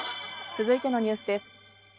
続いてのニュースです。